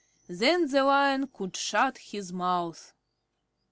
Then the Lion could shut his mouth.